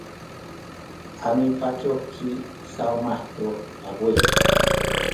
a mipacuk ci Sawmah tu pabuy.